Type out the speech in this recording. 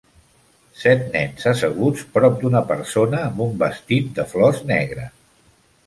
Set nens asseguts prop d'una persona amb un vestit de flors negre.